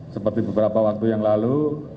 seperti beberapa waktu yang lalu